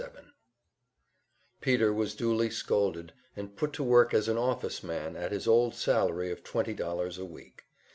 Section 77 Peter was duly scolded, and put to work as an "office man" at his old salary of twenty dollars a week.